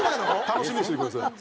楽しみにしててください。